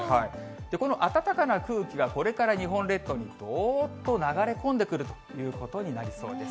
この暖かな空気がこれから日本列島にどーっと流れ込んでくるということになりそうです。